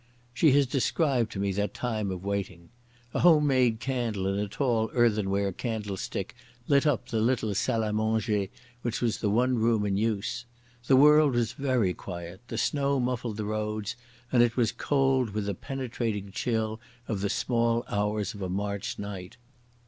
She has described to me that time of waiting. A home made candle in a tall earthenware candlestick lit up the little salle à manger, which was the one room in use. The world was very quiet, the snow muffled the roads, and it was cold with the penetrating chill of the small hours of a March night.